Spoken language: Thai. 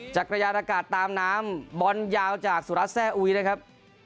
จักรยานอากาศตามน้ำบอลยาวจากสุรัสตแซ่อุยนะครับ